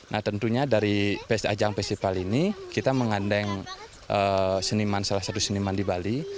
nah tentunya dari ajang festival ini kita mengandeng seniman salah satu seniman di bali